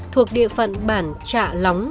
thuộc địa phận bản trạ lóng